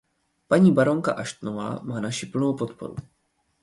Paní baronka Ashtonová má naši plnou podporu.